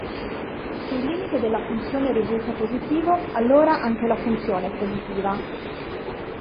Se il limite della funzione risulta positivo allora anche la funzione è positiva.